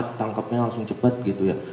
ditangkapnya langsung cepat gitu ya